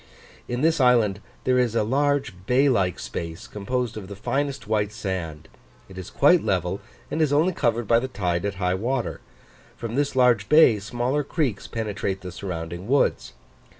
In this island there is a large bay like space, composed of the finest white sand: it is quite level and is only covered by the tide at high water; from this large bay smaller creeks penetrate the surrounding woods.